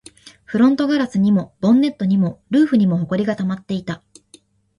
フロントガラスにも、ボンネットにも、ルーフにも埃が溜まっていた